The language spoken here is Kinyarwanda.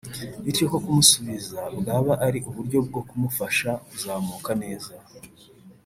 bityo ko kumusibiza bwaba ari uburyo bwo kumufasha kuzamuka neza